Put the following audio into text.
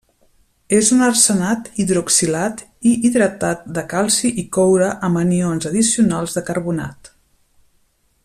És un arsenat hidroxilat i hidratat de calci i coure amb anions addicionals de carbonat.